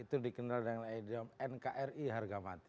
itu dikenal dengan idiom nkri harga mati